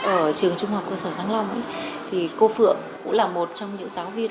ở trường trung học cơ sở thăng long thì cô phượng cũng là một trong những giáo viên